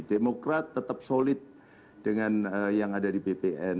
demokrat tetap solid dengan yang ada di bpn